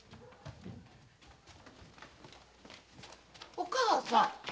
お母さん？